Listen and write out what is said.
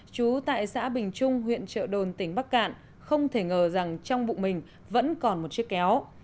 chú tại xã bình trung huyện trợ đồn tỉnh bắc cạn không thể ngờ rằng trong bụng mình vẫn còn một chiếc kéo